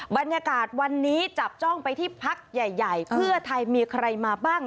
บรรยากาศวันนี้จับจ้องไปที่พักใหญ่เพื่อไทยมีใครมาบ้าง